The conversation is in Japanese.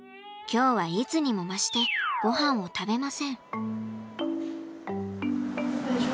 今日はいつにも増してごはんを食べません。